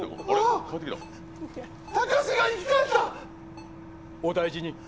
お大事に。